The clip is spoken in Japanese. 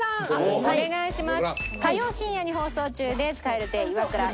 お願いします。